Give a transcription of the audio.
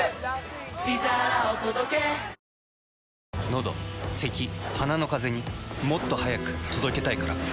のどせき鼻のカゼにもっと速く届けたいから。